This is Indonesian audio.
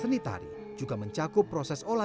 seni tari juga mencakup proses olah